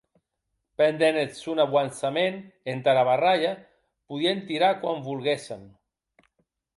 Pendent eth sòn auançament entara barralha podien tirar quan volguessen.